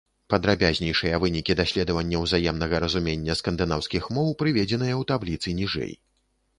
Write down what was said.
Падрабязнейшыя вынікі даследавання ўзаемнага разумення скандынаўскіх моў прыведзеныя ў табліцы ніжэй.